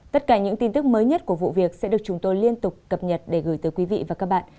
tất cả những tin tức mới nhất của vụ việc sẽ được chúng tôi liên tục cập nhật để gửi tới quý vị và các bạn